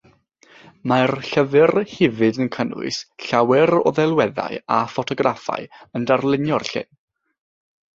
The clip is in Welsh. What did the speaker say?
Mae'r llyfr hefyd yn cynnwys llawer o ddelweddau a ffotograffau yn darlunio'r llyn.